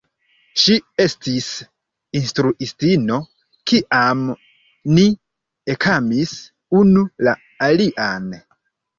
Ŝi estis instruistino, kiam ni ekamis unu la alian.